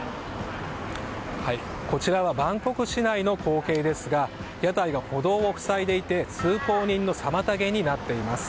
こちらはバンコク市内の光景ですが屋台が歩道を塞いでいて通行人の妨げになっています。